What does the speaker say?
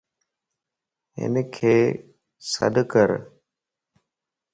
ھنک سڏڪر